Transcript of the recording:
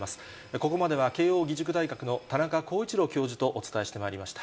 ここまでは慶応義塾大学の田中浩一郎教授とお伝えしてまいりました。